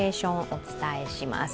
お伝えします。